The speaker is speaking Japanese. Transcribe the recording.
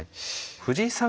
藤井さん